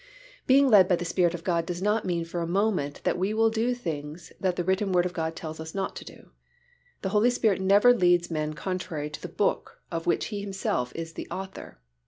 Being led by the Spirit of God does not mean for a moment that we will do things that the written Word of God tells us not to do. The Holy Spirit never leads men contrary to the Book of which He Himself is the Author.